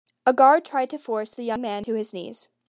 A guard tried to force the young man to his knees.